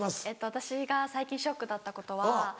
私が最近ショックだったことは。